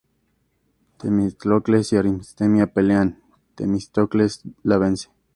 Temístocles y Artemisia pelean, y Temístocles la vence.